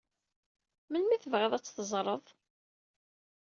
Melmi ay tebɣiḍ ad t-teẓreḍ?